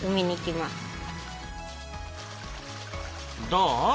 どう？